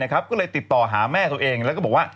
ก็เลยติดต่อหาแม่ตัวเองแล้วก็บอกว่า